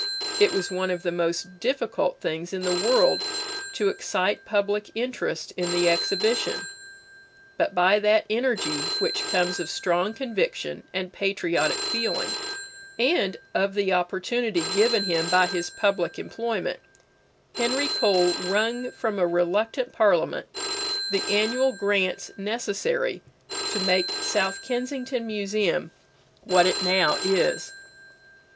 It was one of the most difficult things in the world to excite public interest in the exhibition. But by that energy which comes of strong conviction and patriotic feeling, and of the opportunity given him by his public employment, Henry Cole wrung from a reluctant Parliament the annual grants necessary to make South Kensington Museum what it now is.